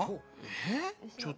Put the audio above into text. えっ？